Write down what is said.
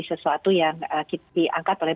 sesuatu yang diangkat oleh